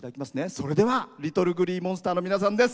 それではＬｉｔｔｌｅＧｌｅｅＭｏｎｓｔｅｒの皆さんです。